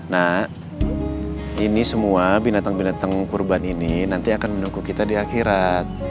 nah ini semua binatang binatang kurban ini nanti akan mendukung kita di akhirat